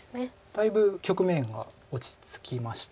だいぶ局面が落ち着きました。